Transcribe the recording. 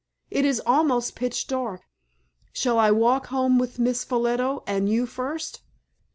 It is almost pitch dark. Shall I walk home with Miss Ffolliot and you first?"